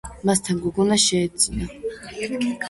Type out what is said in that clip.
მასთან გოგონა შეეძინა.